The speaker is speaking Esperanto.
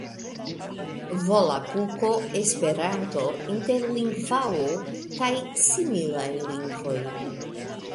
Volapuko, Esperanto, Interlingvao kaj similaj lingvoj.